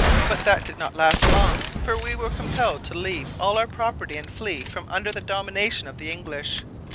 But that did not last long, for we were compelled to leave all our property and flee from under the domination of the English.